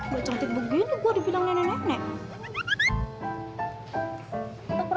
gua cantik begini gua dibilang nenek nenek